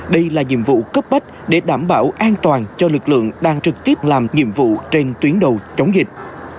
đây là nhiệm vụ cấp bách để đảm bảo an toàn cho lực lượng đang trực tiếp làm nhiệm vụ trên tuyến đầu chống dịch